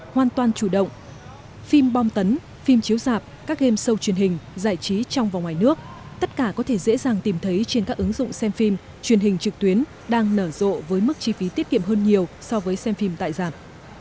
hoàn toàn chủ động phim bong tấn phim chiếu dạp các game show truyền hình giải trí trong và ngoài nước tất cả có thể dễ dàng tìm thấy trên các ứng dụng xem phim truyền hình trực tuyến đang nở rộ với mức chi phí tiết kiệm hơn nhiều so với xem phim tại giảm